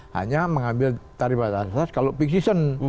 hanya mengambil tarif batas atas kalau peak season